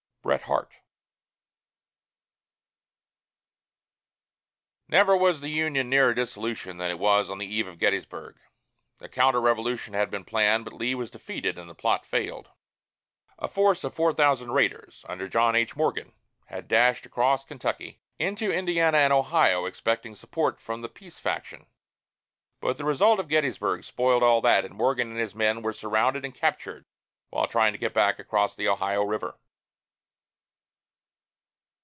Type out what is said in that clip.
BRET HARTE. Never was the Union nearer dissolution than it was on the eve of Gettysburg. A counter revolution had been planned, but Lee was defeated and the plot failed. A force of four thousand raiders, under John H. Morgan, had dashed across Kentucky, into Indiana and Ohio, expecting support from the peace faction; but the result of Gettysburg spoiled all that, and Morgan and his men were surrounded and captured while trying to get back across the Ohio River.